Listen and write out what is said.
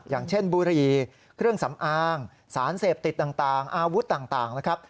อย่างเช่นบุรีเครื่องสำอางสารเสพติดต่างอาวุธต่างนะครับ